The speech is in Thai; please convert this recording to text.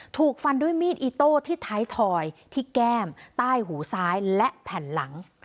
ถูกฟันด้วยมีดอิโต้ที่ท้ายถอยที่แก้มใต้หูซ้ายและแผ่นหลัง